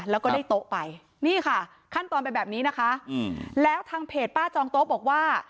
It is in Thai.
แล้วก็ได้โต๊ะไปนี่ค่ะขั้นตอนเป็นแบบนี้นะคะแล้วทางเพจป้าจองโต๊ะบอกว่า